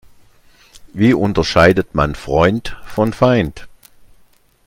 Wie unterscheidet man Freund von Feind?